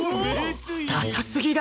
ダサすぎだろ！